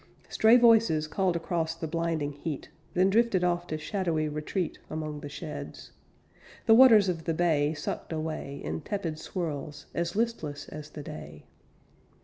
Stray voices called across the blinding heat, Then drifted off to shadowy retreat Among the sheds. The waters of the bay Sucked away In tepid swirls, as listless as the day.